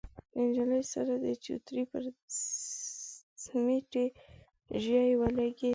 د نجلۍ سر د چوترې پر سميټي ژۍ ولګېد.